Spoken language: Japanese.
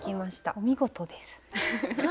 お見事です。